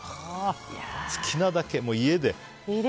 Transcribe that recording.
好きなだけ、家で。